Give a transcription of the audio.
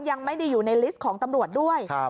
ยังไม่ได้อยู่ในลิสต์ของตำรวจด้วย